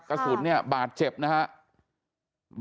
กระสุนบาดเจ็บนะครับ